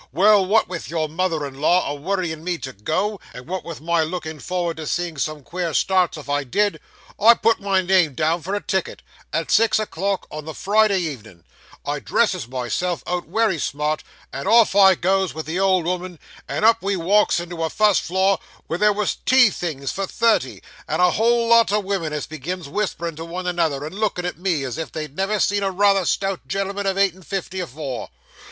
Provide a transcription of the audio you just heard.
Well, what with your mother in law a worrying me to go, and what with my looking for'ard to seein' some queer starts if I did, I put my name down for a ticket; at six o'clock on the Friday evenin' I dresses myself out wery smart, and off I goes with the old 'ooman, and up we walks into a fust floor where there was tea things for thirty, and a whole lot o' women as begins whisperin' to one another, and lookin' at me, as if they'd never seen a rayther stout gen'l'm'n of eight and fifty afore.